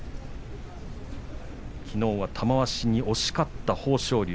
きのうは玉鷲に押し勝った豊昇龍。